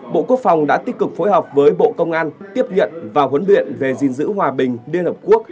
bộ quốc phòng đã tích cực phối hợp với bộ công an tiếp nhận và huấn luyện về gìn giữ hòa bình liên hợp quốc